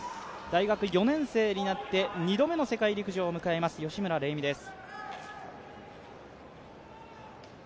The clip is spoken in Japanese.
大学４年生になって２度目の世界陸上を迎えます、吉村玲美です。